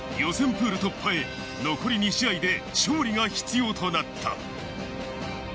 プール突破へ、残り２試合で勝利が必要となった。